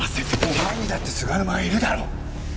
お前にだって菅沼がいるだろ！